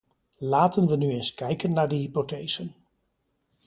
Laten we nu eens kijken naar de hypothesen.